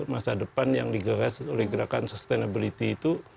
masa depan yang digerak oleh gerakan sustainability itu